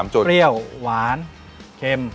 เพื่อให้เปรี้ยวหวานเค็ม